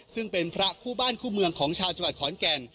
ซึ่งเป็นพระคู่บ้านคู่เมืองของชาวจังหวัดขอนแก่น